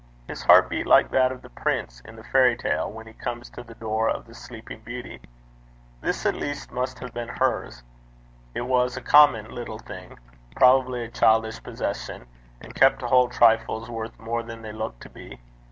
His heart beat like that of the prince in the fairy tale, when he comes to the door of the Sleeping Beauty. This at least must have been hers. It was a common little thing, probably a childish possession, and kept to hold trifles worth more than they looked to be.